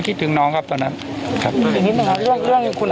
ก็คิดถึงน้องครับตอนนั้น